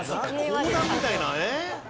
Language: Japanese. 講談みたいなね。